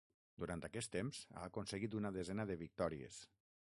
Durant aquest temps ha aconseguit una desena de victòries.